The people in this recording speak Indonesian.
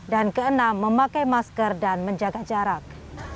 dan keenam memakai masker dan menjaga jarak